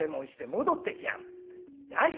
やい！